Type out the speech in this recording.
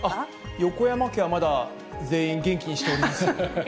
横山家はまだ全員、元気にしております。